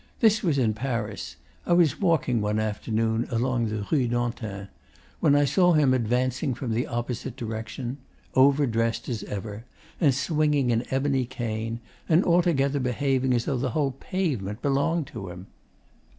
This was in Paris. I was walking, one afternoon, along the Rue d'Antin, when I saw him advancing from the opposite direction over dressed as ever, and swinging an ebony cane, and altogether behaving as though the whole pavement belonged to him.